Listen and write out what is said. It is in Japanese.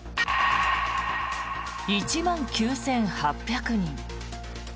１万９８００人。